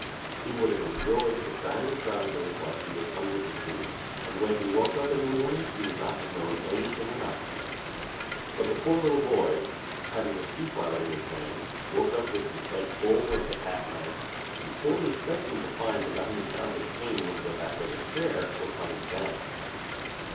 He would have enjoyed his diamond trousers while he was under the sea, and when he woke up in the morning he would not have known anything about them. But the poor little boy, having the sea flower in his hand, woke up with his head full of the past night, and fully expecting to find the diamond trousers hanging over the back of a chair close by his bed.